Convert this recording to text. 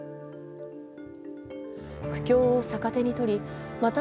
苦境を逆手に取りまた